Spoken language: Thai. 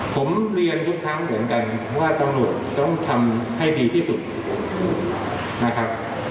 ผมเรียนทุกครั้งเหมือนกันว่าตำรวจต้องทำให้ดีที่สุดนะครับ